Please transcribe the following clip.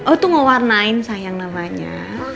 oh itu ngewarnain sayang namanya